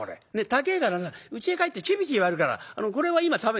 高えからさうちへ帰ってチビチビやるからこれは今食べ」。